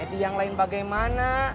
edi yang lain bagaimana